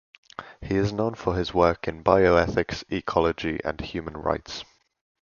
He is known for his work in bioethics, ecology, and human rights.